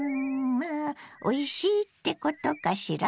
まあおいしいってことかしら？